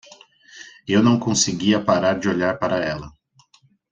Eu não conseguia parar de olhar para ela.